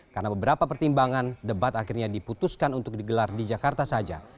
karena beberapa pertimbangan debat akhirnya diputuskan untuk digelar di jakarta saja